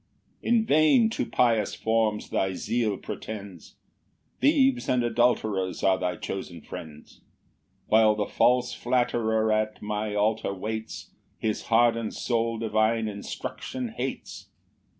12 "In vain to pious forms thy zeal pretends, "Thieves and adulterers are thy chosen friends; "While the false flatterer at my altar waits, "His harden'd soul divine instruction hates."